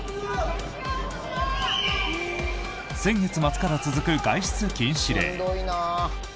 先月末から続く外出禁止令。